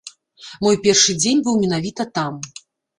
Мой першы дзень быў менавіта там.